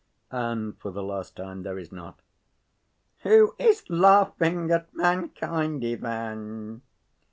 "And for the last time there is not." "Who is laughing at mankind, Ivan?"